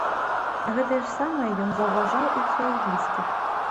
Гэтае ж самае ён заўважаў і ў сваіх блізкіх.